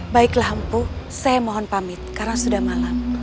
baiklah ampuh saya mohon pamit karena sudah malam